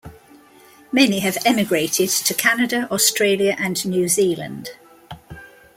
Many have emigrated to Canada, Australia and New Zealand.